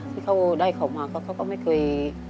ที่เขาได้เขามาเขาก็ไม่เคย